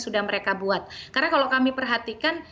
sudah mereka buat karena kalau kami perhatikan